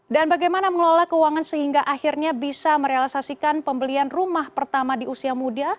dan bagaimana mengelola keuangan sehingga akhirnya bisa merealisasikan pembelian rumah pertama di usia muda